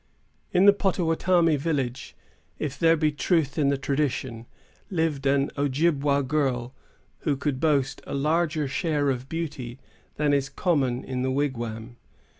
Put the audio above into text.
In the Pottawattamie village, if there be truth in tradition, lived an Ojibwa girl, who could boast a larger share of beauty than is common in the wigwam.